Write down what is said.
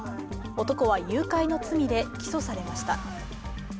男は誘拐の罪で起訴されました。